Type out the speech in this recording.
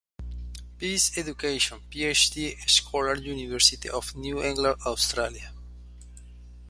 Peace Education, PhD Scholar University of New England Australia.